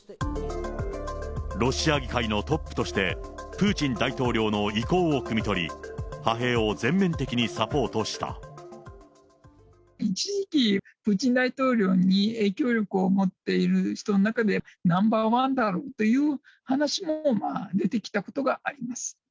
ロシア議会のトップとして、プーチン大統領の意向をくみ取り、一時期、プーチン大統領に影響力を持っている人の中でナンバー１だろうという話も出てきたことがあります。